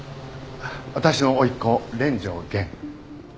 私の甥っ子連城源。